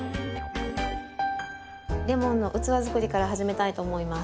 レモンの器作りから始めたいと思います。